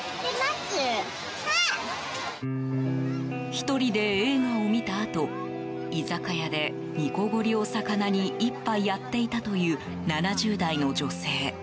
１人で映画を見たあと居酒屋で煮こごりをさかなに一杯やっていたという７０代の女性。